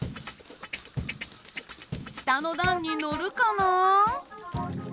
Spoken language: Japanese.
下の段にのるかな？